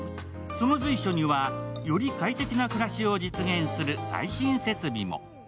その随所には、より快適な暮らしを実現する最新設備も。